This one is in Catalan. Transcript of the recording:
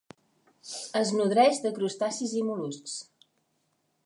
Es nodreix de crustacis i mol·luscs.